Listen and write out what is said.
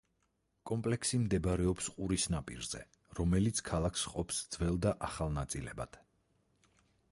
კომპლექსი მდებარეობს ყურის ნაპირზე, რომელიც ქალაქს ჰყოფს ძველ და ახალ ნაწილებად.